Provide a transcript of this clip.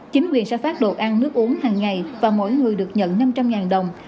chính quyền sẽ phát đồ ăn nước uống hàng ngày và mỗi người được nhận năm trăm linh đồng